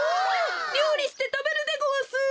りょうりしてたべるでごわす！